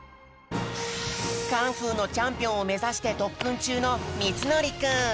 カンフーのチャンピオンをめざしてとっくんちゅうのみつのりくん。